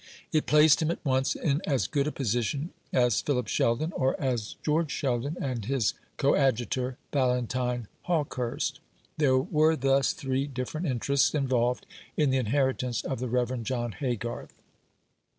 It placed him at once in as good a position as Philip Sheldon, or as George Sheldon and his coadjutor, Valentine Hawkehurst. There were thus three different interests involved in the inheritance of the Reverend John Haygarth.